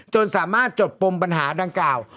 สามารถจบปมปัญหาดังกล่าว